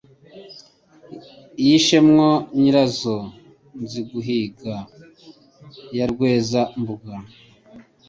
Yishe mwo nyirazo nziguhiga ya Rweza-mbuga